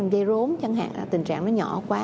gây rốn chẳng hạn là tình trạng nó nhỏ quá